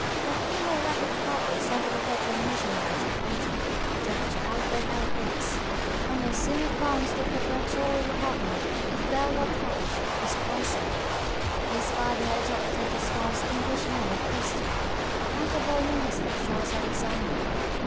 where he made rapid progress under the veteran missionary educator, Dr. Alfred L. Riggs, and was soon advanced to the preparatory department of Beloit College, Wisconsin. His father had adopted his wife's English name of Eastman, and the boy named himself Charles Alexander.